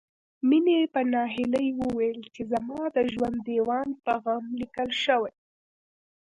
مينې په ناهيلۍ وويل چې زما د ژوند ديوان په غم ليکل شوی